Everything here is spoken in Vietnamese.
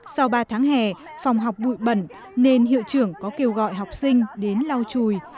sau ba tháng hè phòng học bụi bẩn nên hiệu trưởng có kêu gọi học sinh đến lau chùi